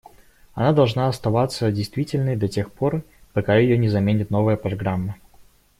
Она должна оставаться действительной до тех пор, пока ее не заменит новая программа.